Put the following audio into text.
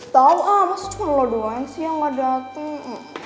tau ah masa cuma lo doang sih yang gak dateng